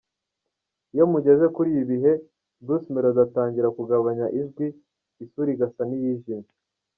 Iyo mugeze kuri ibi bihe, Bruce Melody atangira kugabanya ijwi, isura igasa n’iyijimye.